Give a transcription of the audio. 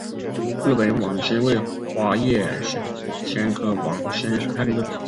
日本网藓为花叶藓科网藓属下的一个种。